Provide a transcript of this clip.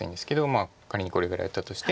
まあ仮にこれぐらい打ったとして。